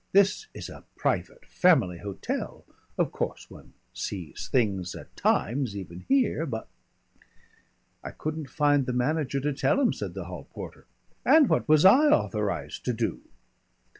This is a Private Family Hotel. Of course one sees things at times even here, but "I couldn't find the manager to tell 'im," said the hall porter. "And what was I authorised to do?